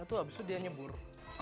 itu habis itu dia nyebur